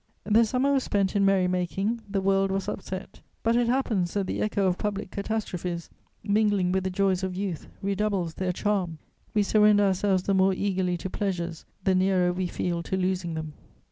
The summer was spent in merry making: the world was upset; but it happens that the echo of public catastrophes, mingling with the joys of youth, redoubles their charm; we surrender ourselves the more eagerly to pleasures the nearer we feel to losing them.